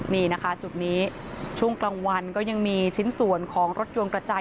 นี่นะคะจุดนี้ช่วงกลางวันก็ยังมีชิ้นส่วนของรถยนต์กระจาย